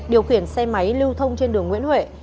điều khiển xe máy lưu thông trên đường nguyễn huệ